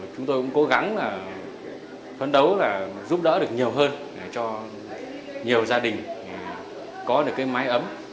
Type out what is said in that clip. chúng tôi cũng cố gắng là phấn đấu là giúp đỡ được nhiều hơn để cho nhiều gia đình có được cái máy ấm